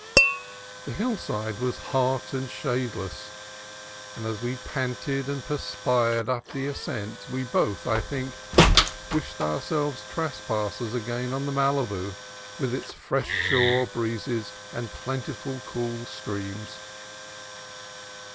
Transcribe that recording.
The hillside was hot and shadeless, and as we panted and perspired up the ascent we both, I think, wished ourselves trespassers again on the Malibu, with its fresh shore breezes and plentiful cool streams.